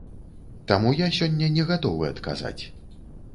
Таму я сёння не гатовы адказаць.